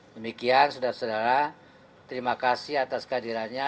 demikian saudara saudara terima kasih atas kehadirannya